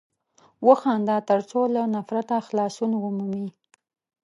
وخانده تر څو له نفرته خلاصون ومومې!